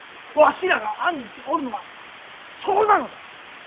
わしらが案じておるのはそこなのだ。